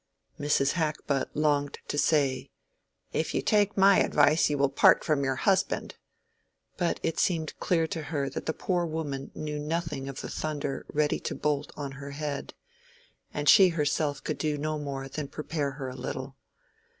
Mrs. Hackbutt longed to say, "if you take my advice you will part from your husband," but it seemed clear to her that the poor woman knew nothing of the thunder ready to bolt on her head, and she herself could do no more than prepare her a little.